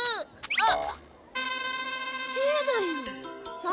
あっ！